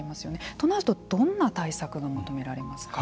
となるとどんな対策が求められますか。